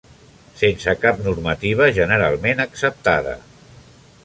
Sense cap normativa generalment acceptada.